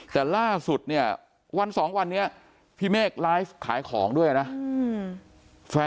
แต่ล่าสุดเนี่ยวันสองวันนี้พี่เมฆไลฟ์ขายของด้วยนะ